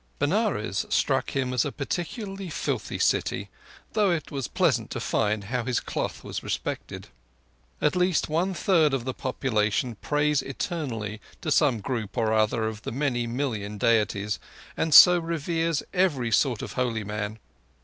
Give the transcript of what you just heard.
Benares struck him as a peculiarly filthy city, though it was pleasant to find how his cloth was respected. At least one third of the population prays eternally to some group or other of the many million deities, and so reveres every sort of holy man.